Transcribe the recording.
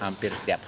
hampir setiap hari